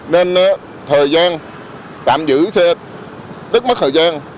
nên thời gian tạm giữ xe rất mất thời gian